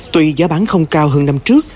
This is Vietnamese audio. tuy giá bán không cao hơn năm trước